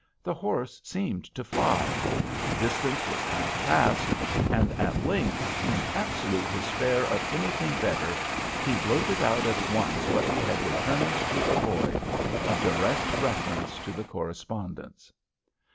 The horse seemed to fly—the distance was half past—and at length, in absolute despair of anything better, he blurted out at once what he had determined to avoid—a direct reference to the correspondence.